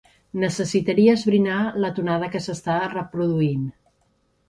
Necessitaria esbrinar la tonada que s'està reproduint.